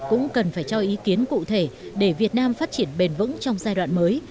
cũng cần phải cho ý kiến cụ thể để việt nam phát triển bền vững trong giai đoạn mới